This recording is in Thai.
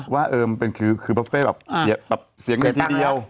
ว่ามันเป็นคือบุฟเฟ่แบบเสียงเวทีเดียว